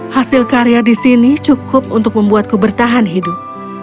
hasil karya di sini cukup untuk membuatku bertahan hidup